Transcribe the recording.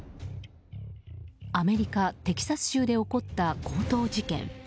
アメリカ・テキサス州で起こった強盗事件。